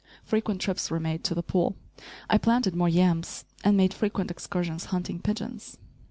Frequent trips were made to the pool. I planted more yams, and made frequent excursions hunting pigeons.